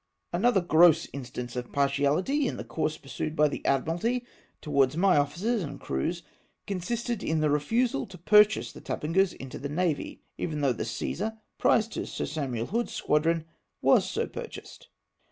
Another gross mstance of partiaUty in the course pm^sued by the "Admiralty towards my officers and crews, consisted in the refusal to purchase the Tapa geuse into the navy ; though the Ccesar — prize to Sir Samuel Hood's squadron — was so purchased.